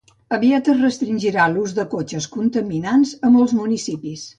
Aviat es restringirà l'ús de cotxes contaminants a molts municipis.